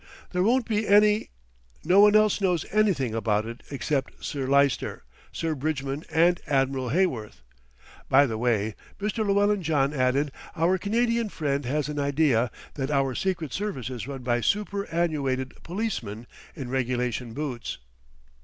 "There won't be any " "No one else knows anything about it except Sir Lyster, Sir Bridgman and Admiral Heyworth. By the way," Mr. Llewellyn John added, "our Canadian friend has an idea that our Secret Service is run by superannuated policemen in regulation boots."